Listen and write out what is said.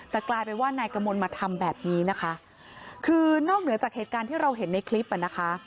แต่กลายเป็นว่านายกมลมาทำแบบนี้นะคะคือนอกเหนือจากเหตุการณ์ที่เราเห็นในคลิปอ่ะนะคะ